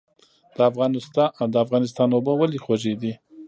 د افغانستان اوبه ولې خوږې دي؟